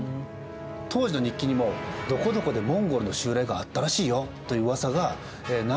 当時の日記にも「どこどこでモンゴルの襲来があったらしいよ」といううわさが何回も出てきています。